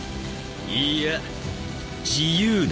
いいや自由だ。